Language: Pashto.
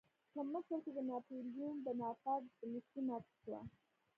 په مصر کې د ناپلیون بناپارټ په مشرۍ ماتې شوه.